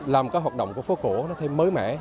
làm các hoạt động của phố cổ nó thêm mới mẻ